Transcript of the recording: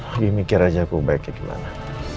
lebih mikir aja aku baiknya gimana